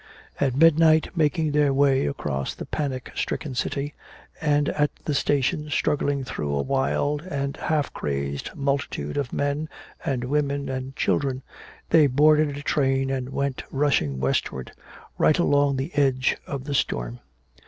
At midnight, making their way across the panic stricken city, and at the station struggling through a wild and half crazed multitude of men and women and children, they boarded a train and went rushing westward right along the edge of the storm.